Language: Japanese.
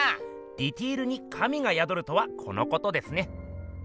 ディテールに神がやどるとはこのことですね。